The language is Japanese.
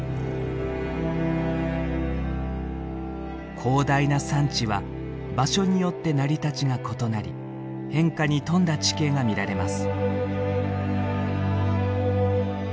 広大な山地は場所によって成り立ちが異なり変化に富んだ地形が見られます。